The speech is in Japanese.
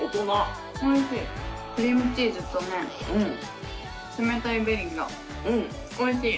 クリームチーズとね冷たいベリーがおいしい。